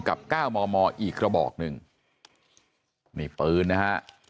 เก้ามอมออีกกระบอกหนึ่งนี่ปืนนะฮะ